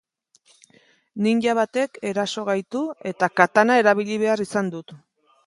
Ninja batek eraso gaitu eta katana erabili behar izan dut.